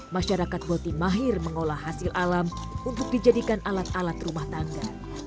masyarakat boti mahir mengolah hasil alam untuk dijadikan alat alat rumah tangga